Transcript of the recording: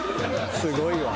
すごいわ。